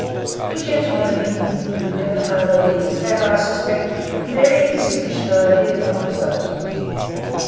We gentlemen of England who live at home at ease have, I suspect, very insufficient ideas on the subject.